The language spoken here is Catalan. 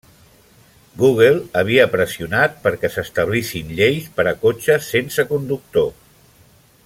Google havia pressionat perquè s'establissin lleis per a cotxes sense conductor.